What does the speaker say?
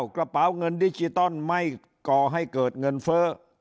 กระเป๋าเงินดิจิตอลไม่ก่อให้เกิดเงินเฟ้อ